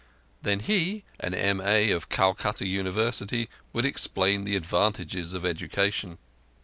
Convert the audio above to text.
Then he, an M A of Calcutta University, would explain the advantages of education.